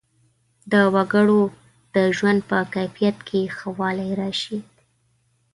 د وګړو د ژوند په کیفیت کې ښه والی راشي.